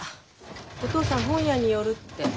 お父さん本屋に寄るって。